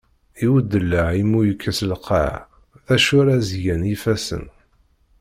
I udellaɛ i mu yekkes lqaɛ, d acu ara as-d-gen yifassen.